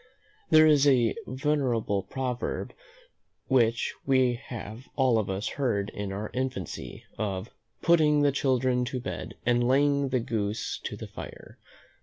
There is a venerable proverb which we have all of us heard in our infancy, of "putting the children to bed, and laying the goose to the fire."